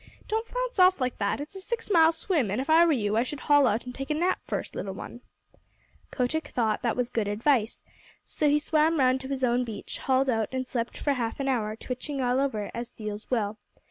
Don't flounce off like that. It's a six mile swim, and if I were you I should haul out and take a nap first, little one." Kotick thought that that was good advice, so he swam round to his own beach, hauled out, and slept for half an hour, twitching all over, as seals will.